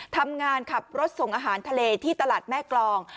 ทำงานขับรถส่งอาหารทะเลที่ตลาดแม่กรอง